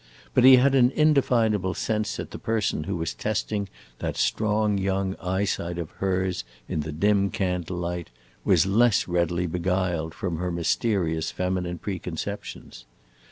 But he had an indefinable sense that the person who was testing that strong young eyesight of hers in the dim candle light was less readily beguiled from her mysterious feminine preconceptions.